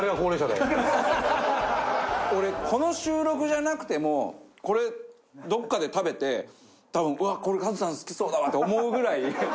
俺この収録じゃなくてもこれどこかで食べて多分うわっこれカズさん好きそうだわって思うぐらい。